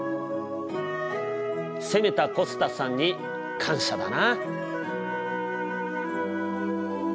攻めたコスタスさんに感謝だな。